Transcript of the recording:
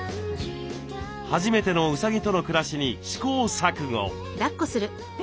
初めてのうさぎとの暮らしに試行錯誤。